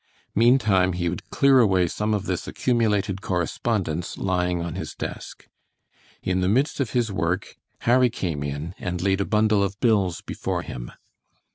Meantime he would clear away some of this accumulated correspondence lying on his desk. In the midst of his work Harry came in and laid a bundle of bills before him.